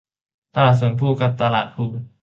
ตลาดสวนพลู กับ ตลาดพลู